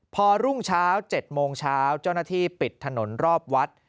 พอรุ่งเช้า๗โมงเช้าเจ้าหน้าที่ปิดถนนรอบวัด